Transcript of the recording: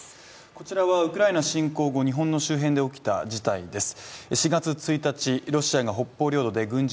こちらはウクライナ侵攻後、日本の近郊で起きた事態です。